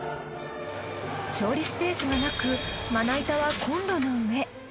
調理スペースがなくまな板はコンロの上。